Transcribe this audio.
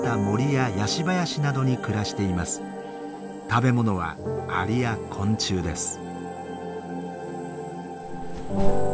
食べ物はアリや昆虫です。